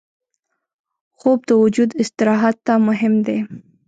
خوب د وجود استراحت ته مهم دی